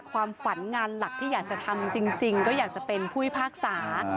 ความฝันงานหลักที่อยากจะทำจริงก็อยากจะเป็นผู้พิพากษา